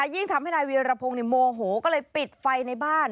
ยิ่งทำให้นายเวียรพงศ์โมโหก็เลยปิดไฟในบ้าน